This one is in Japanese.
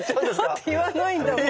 だって言わないんだもん。